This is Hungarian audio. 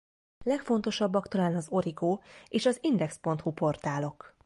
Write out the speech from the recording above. Legfontosabbak talán az Origo és az Index.hu portálok.